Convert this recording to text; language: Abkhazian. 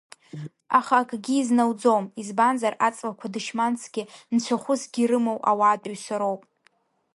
Аха акгьы изнауӡом, избанзар, аҵлақәа дышьмансгьы нцәахәысгьы ирымоу ауаатәыҩса роуп.